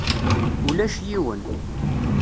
Ulac yiwen.